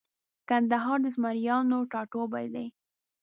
کندهار د زمریانو ټاټوبۍ دی